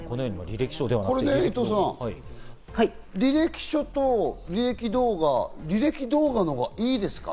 伊藤さん、履歴書と履歴動画、履歴動画のほうがいいですか？